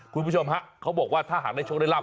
คุณผู้ชมฮะเขาบอกว่าถ้าหากได้โชคได้ราบ